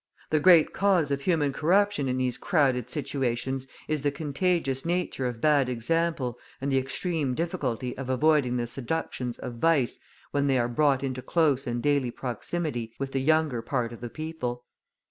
The great cause of human corruption in these crowded situations is the contagious nature of bad example and the extreme difficulty of avoiding the seductions of vice when they are brought into close and daily proximity with the younger part of the people.